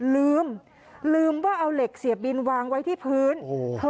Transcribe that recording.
ลืมลืมว่าเอาเหล็กเสียบบินวางไว้ที่พื้นโอ้โห